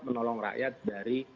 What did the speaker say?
menolong rakyat dari